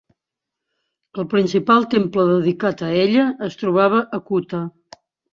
El principal temple dedicat a ella es trobava a Kutha.